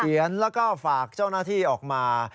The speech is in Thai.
แล้วก็ฝากเจ้าหน้าที่ออกมา